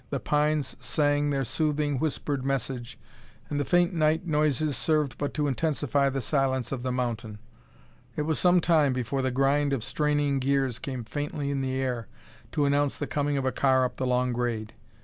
The pines sang their soothing, whispered message, and the faint night noises served but to intensify the silence of the mountain. It was some time before the grind of straining gears came faintly in the air to announce the coming of a car up the long grade.